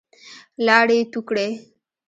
لاړې يې تو کړې.